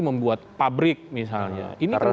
membuat pabrik misalnya